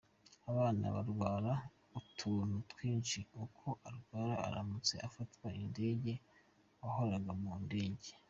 Abana barwara utuntu twinshi, uko arwaye uramutse ufata indege wahora mu ndege.